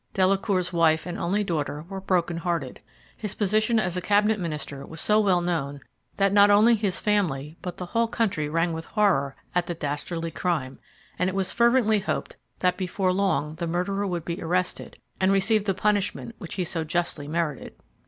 Delacour's wife and only daughter were broken hearted. His position as a Cabinet Minister was so well known, that not only his family but the whole country rang with horror at the dastardly crime, and it was fervently hoped that before long the murderer would be arrested, and receive the punishment which he so justly merited.